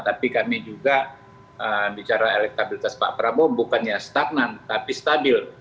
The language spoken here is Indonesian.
tapi kami juga bicara elektabilitas pak prabowo bukannya stagnan tapi stabil